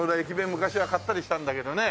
昔は買ったりしたんだけどね。